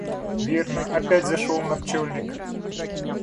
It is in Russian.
Верно, опять зашел на пчельник.